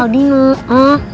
sel di mana